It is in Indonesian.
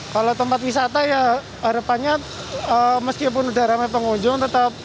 kalau tempat wisata ya harapannya meskipun udah ramai pengunjung